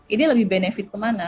ini lebih benefit kemana